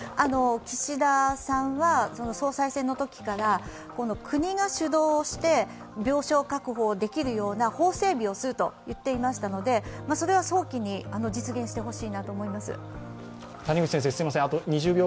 岸田さんは総裁選のときから国が主導して病床確保をできるような法整備をすると言っていましたのでそれは早期に実現してほしいなと思います。